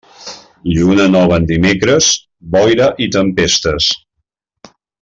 Lluna nova en dimecres, boira i tempestes.